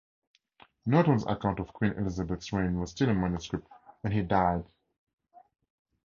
Naunton's account of Queen Elizabeth's reign was still in manuscript when he died.